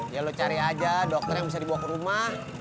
ya lu cari aja dokter yang bisa dibawa ke rumah